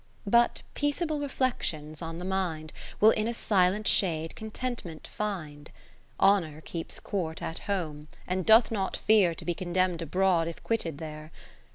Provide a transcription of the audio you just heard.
But peaceable reflections on the mind, Will in a silent shade Contentment find. 50 Honour keeps court at home, and doth not fear To be Gondemn'd abroad, if quitted there.